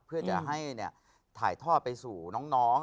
เพื่อจะให้เนี่ยถ่ายท่อไปสู่น้อง